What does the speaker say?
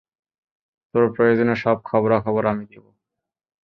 তোর প্রয়োজনীয় সব খবরাখবর আমি দিব।